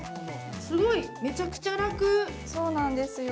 すごいめちゃくちゃ楽そうなんですよ